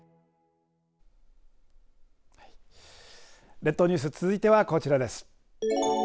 列島ニュース続いてはこちらです。